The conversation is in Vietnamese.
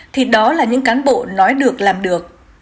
thì đó là những cán bộ nói được làm được